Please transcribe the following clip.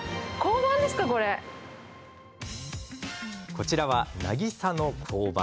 こちらは、渚の交番。